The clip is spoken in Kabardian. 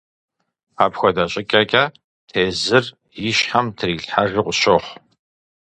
Апхуэдэ щӀыкӀэкӀэ, тезыр и щхьэм трилъхьэжу къысщохъу.